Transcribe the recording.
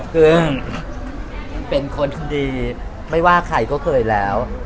คือเป็นคนดีไม่ว่าใครก็เคยแล้ว